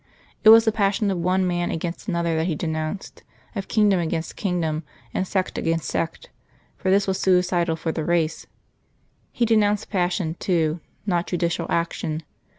It was the passion of one man against another that He denounced of kingdom against kingdom, and sect against sect for this was suicidal for the race. He denounced passion, too, not judicial action.